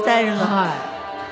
はい。